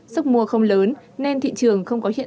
sức mua không lớn nên thị trường không có chủ yếu